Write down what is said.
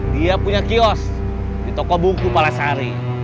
dia punya kios di toko buku pala sari